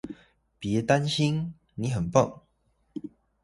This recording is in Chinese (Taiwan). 別擔心，你很棒